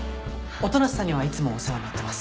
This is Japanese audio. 音無さんにはいつもお世話になってます。